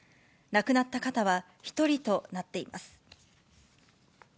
亡くなった方は１人となっています。